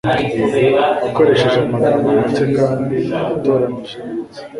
akoresheje amagambo make kandi atoranyije neza